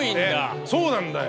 そうなんだよ。